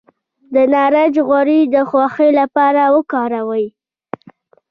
د نارنج غوړي د خوښۍ لپاره وکاروئ